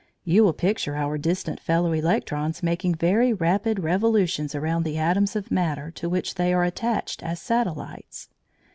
You will picture our distant fellow electrons making very rapid revolutions around the atoms of matter to which they are attached as satellites.